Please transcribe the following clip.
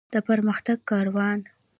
د پرمختګ کاروان.